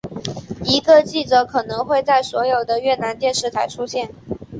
一个记者可能会在所有的越南电视台出现。